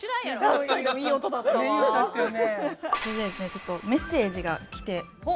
ちょっとメッセージが来て。